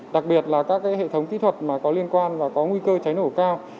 đặc biệt là các hệ thống kỹ thuật có liên quan và có nguy cơ cháy nổ cao